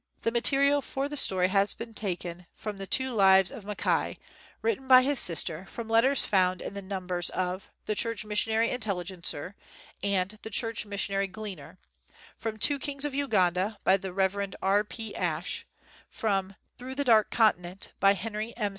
The material for the story has been taken from the two lives of Mackay written by his sister, from letters found in the numbers xvi PREFACE of The Church Missionary Intelligencer and The Church Missionary Gleaner, from Two Kings of Uganda, by the Rev. R. P. Ashe, from Through the Dark Continent, by Henry M.